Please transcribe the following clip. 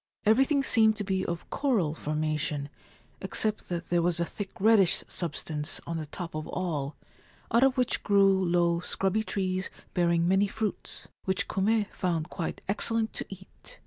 Everything seemed to be of coral formation, except that there was a thick reddish substance on the top of all, out of which grew low scrubby trees bearing many fruits, which Kume found quite excellent to eat.